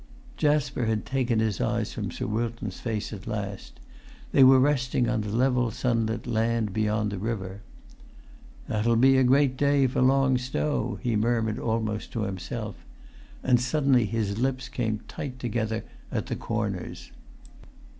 Jasper had taken his eyes from Sir Wilton's face at last; they were resting on the level sunlit land beyond the river. "That'll be a great day for Long Stow," he murmured almost to himself; and suddenly his lips came tight together at the corners.